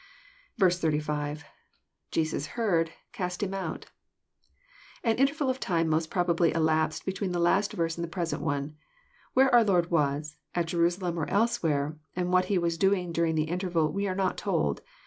S5. — [Jesus fteard.^cast him outJ] An interval of time most prob ably elapsed between the last verse and the present one. Where our Lord was, at Jerusalem or elsewhere, and what He was doing during the Interval, we are not told.